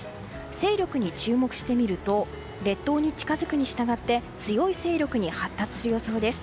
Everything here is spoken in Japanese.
勢力に注目してみると列島に近づくにしたがって強い勢力に発達する予想です。